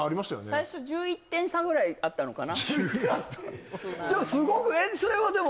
最初１１点差ぐらいあったのかな